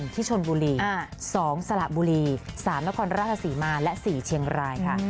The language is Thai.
ที่ชนบุรี๒สระบุรี๓นครราชศรีมาและ๔เชียงรายค่ะ